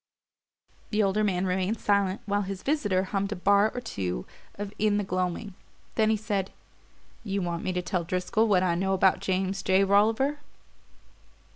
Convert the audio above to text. The older man remained silent while his visitor hummed a bar or two of "In the Gloaming"; then he said: "You want me to tell Driscoll what I know about James J. Rolliver?"